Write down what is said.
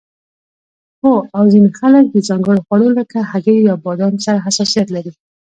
هو او ځینې خلک د ځانګړو خوړو لکه هګۍ یا بادام سره حساسیت لري